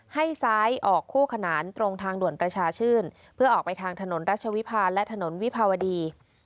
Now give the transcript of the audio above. ให้ซ้ายออกคู่ขนานตรงทางด่วนประชาชื่นเพื่อออกไปทางถนนรัชวิพาลและถนนวิภาวดี